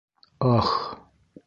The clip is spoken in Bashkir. Ах...